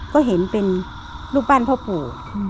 ก็เห็นเป็นลูกบ้านพ่อปู่